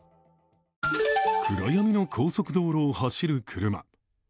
暗闇の高速道路を走る車。